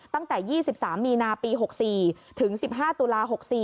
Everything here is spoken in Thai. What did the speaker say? ตั้งแต่๒๓มีนาปี๖๔ถึง๑๕ตุลา๖๔